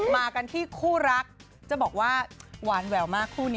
มากันที่คู่รักจะบอกว่าหวานแหววมากคู่นี้